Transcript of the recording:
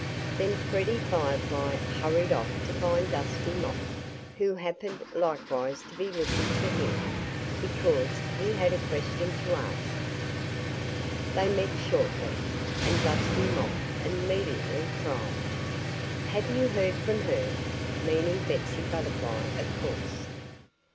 Then Freddie Firefly hurried off to find Dusty Moth, who happened likewise to be looking for him, because he had a question to ask. They met shortly. And Dusty Moth immediately cried: "Have you heard from her?" meaning Betsy Butterfly, of course.